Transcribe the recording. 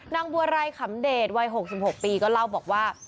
นางบัวไรขำเดชวัย๖๖ปีก็เล่าบอกว่า